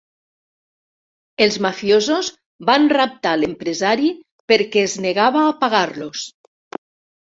Els mafiosos van raptar l'empresari perquè es negava a pagar-los.